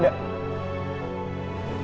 dan gue selalu sendirian